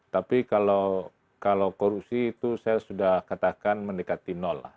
tapi kalau korupsi itu saya sudah katakan mendekati nol lah